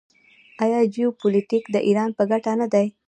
آیا جیوپولیټیک د ایران په ګټه نه دی؟